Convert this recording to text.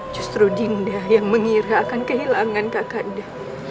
justru dinda yang mengira akan kehilangan kakaknya